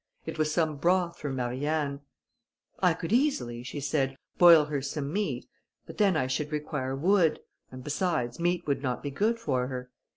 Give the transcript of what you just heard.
It was some broth for Marianne; "I could easily," she said, "boil her some meat, but then I should require wood, and besides meat would not be good for her.